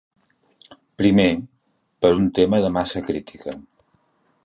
Primer, per un tema de massa crítica.